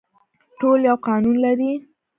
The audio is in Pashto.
ټول یو قانون لري